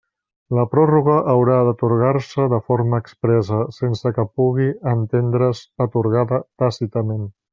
La pròrroga haurà d'atorgar-se de forma expressa, sense que pugui entendre's atorgada tàcitament.